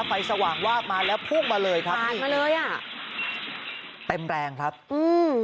ไฟสว่างวาบมาแล้วพุ่งมาเลยครับผ่านมาเลยอ่ะเต็มแรงครับอืม